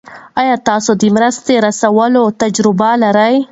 آیا تاسو د مرستې رسولو تجربه لرئ؟